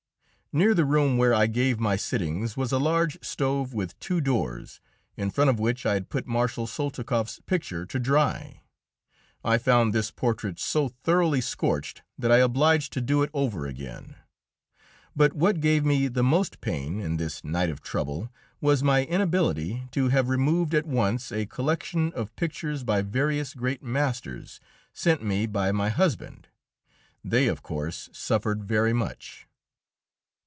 Near the room where I gave my sittings was a large stove with two doors, in front of which I had put Marshal Soltikoff's picture to dry. I found this portrait so thoroughly scorched that I was obliged to do it over again. But what gave me most pain in this night of trouble was my inability to have removed at once a collection of pictures by various great masters, sent me by my husband; they, of course, suffered very much.